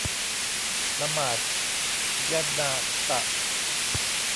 ละหมาดญะนาซะฮ์